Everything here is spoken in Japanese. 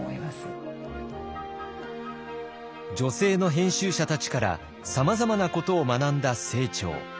女性の編集者たちからさまざまなことを学んだ清張。